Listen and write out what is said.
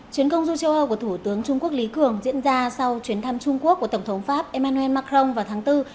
chuyến công du châu âu của thủ tướng trung quốc lý cường diễn ra sau chuyến thăm trung quốc của tổng thống pháp emmanuel macron vào tháng bốn